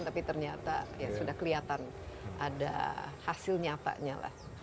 tapi ternyata ya sudah kelihatan ada hasilnya apanya lah